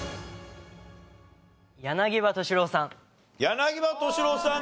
柳葉敏郎さん